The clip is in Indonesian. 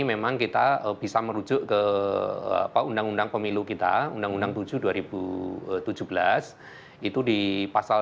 memang kita bisa merujuk ke apa undang undang pemilu kita undang undang tujuh dua ribu tujuh belas itu di pasal